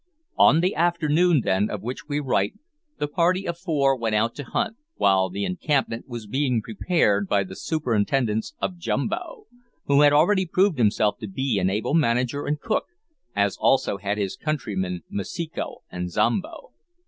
On the afternoon, then, of which we write, the party of four went out to hunt, while the encampment was being prepared under the superintendence of Jumbo, who had already proved himself to be an able manager and cook, as also had his countrymen Masiko and Zombo.